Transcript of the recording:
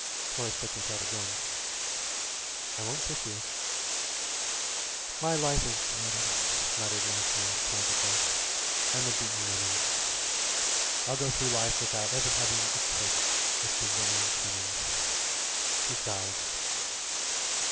Horace shook his head again. "I won't kiss you." "My life is blighted," muttered Marcia tragically. "I'm a beaten woman. I'll go through life without ever having a kiss with Brazilian trimmings." She sighed.